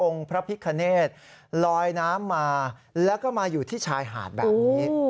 พระพิคเนธลอยน้ำมาแล้วก็มาอยู่ที่ชายหาดแบบนี้